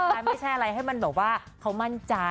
แต่ไม่ใช่อะไรให้มันแบบว่าเขามั่นใจ